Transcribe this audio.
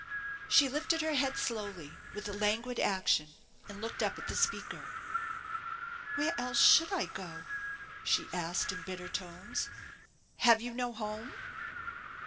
She lifted her head slowly, with a languid action, and looked up at the speaker. "Where else should I go?" she asked, in bitter tones. "Have you no home?"